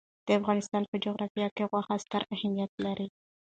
د افغانستان په جغرافیه کې غوښې ستر اهمیت لري.